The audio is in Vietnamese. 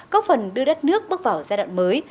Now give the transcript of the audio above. góp phần đưa đất nước bước vào giai đoạn mới